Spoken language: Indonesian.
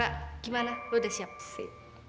gimana lo udah siap sih